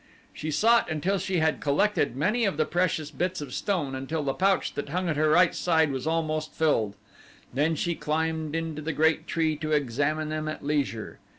She sought until she had collected many of the precious bits of stone until the pouch that hung at her right side was almost filled. Then she climbed into the great tree to examine them at leisure.